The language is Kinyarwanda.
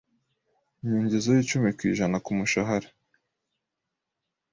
Inyongezo y’icumi kwijana ku mushahara